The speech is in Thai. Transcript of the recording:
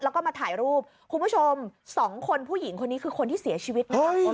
แล้วก็มาถ่ายรูปคุณผู้ชมสองคนผู้หญิงคนนี้คือคนที่เสียชีวิตนะคะ